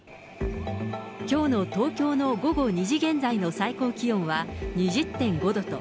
きょうの東京の午後２時現在の最高気温は２０．５度と、